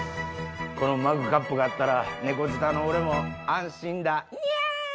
このマグカップがあったら猫舌の俺も。